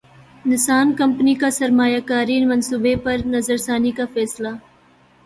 نسان company کا سرمایہ کاری منصوبے پر نظرثانی کا فیصلہ